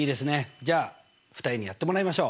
じゃあ２人にやってもらいましょう！